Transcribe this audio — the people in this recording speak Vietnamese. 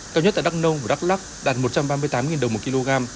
cao nhất tại đắk nông và đắk lắc đạt một trăm ba mươi tám đồng một kg